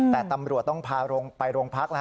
แต่ตำรวจต้องพาไปโรงพักแล้ว